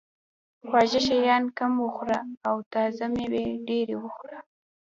خواږه شیان کم وخوره او تازه مېوې ډېرې وخوره.